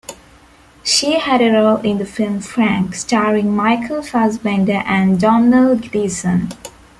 She had a role in the film "Frank" starring Michael Fassbender and Domhnall Gleeson.